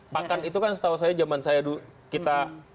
pakan itu kan setahu saya zaman saya kita